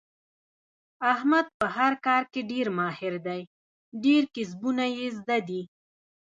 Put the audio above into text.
احمد په هر کار کې ډېر ماهر دی. ډېر کسبونه یې زده دي.